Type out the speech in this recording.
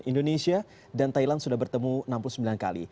indonesia dan thailand sudah bertemu enam puluh sembilan kali